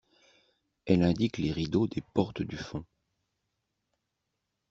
Elle indique les rideaux des portes du fond.